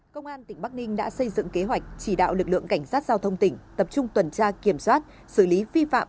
công an tỉnh bắc ninh đã xây dựng kế hoạch chỉ đạo lực lượng cảnh sát giao thông tỉnh tập trung tuần tra kiểm soát xử lý vi phạm